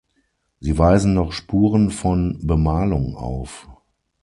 Sie weisen noch Spuren von Bemalung auf.